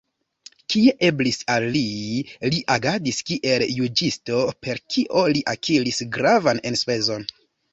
Kie eblis al li, li agadis kiel juĝisto, per kio li akiris gravan enspezon.